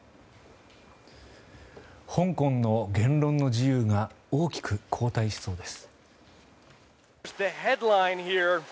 香港の言論の自由が大きく後退しそうです。